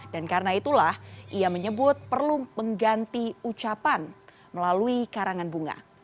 dan karena itulah ia menyebut perlu mengganti ucapan melalui karangan bunga